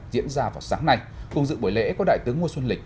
diễn ra vào sáng nay cùng dự buổi lễ của đại tướng nguyễn xuân lịch